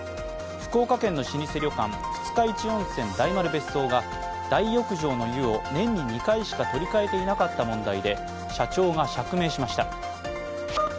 福岡県の老舗旅館二日市温泉大丸別荘が大浴場の湯を年に２回しか取り替えていなかった問題で社長が釈明しました。